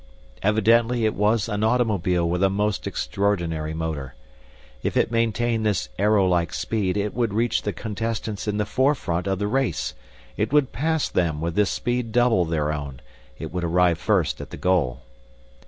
Evidently it was an automobile with a most extraordinary motor. If it maintained this arrow like speed, it would reach the contestants in the fore front of the race; it would pass them with this speed double their own; it would arrive first at the goal.